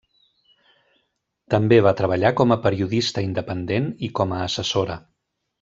També va treballar com a periodista independent i com a assessora.